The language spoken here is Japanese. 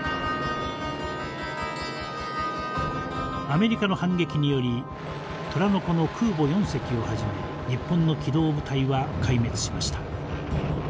アメリカの反撃により虎の子の空母４隻をはじめ日本の機動部隊は壊滅しました。